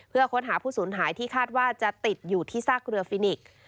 เพื่อค้นหาผู้สูญหายที่คาดว่าจะติดอยู่ที่ซากเรือฟินิก